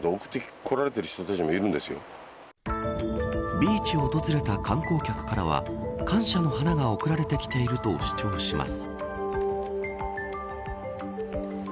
ビーチを訪れた観光客からは感謝の花が送られてきていると主張します。